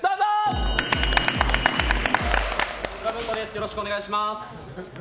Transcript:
よろしくお願いします。